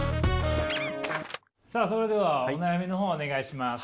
さあそれではお悩みの方お願いします。